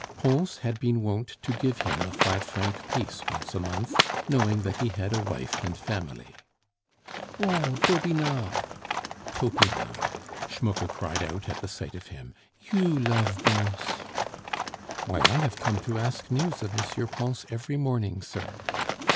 Pons had been wont to give him a five franc piece once a month, knowing that he had a wife and family. "Oh, Dobinard (Topinard)!" Schmucke cried out at the sight of him, "you love Bons!" "Why, I have come to ask news of M. Pons every morning, sir."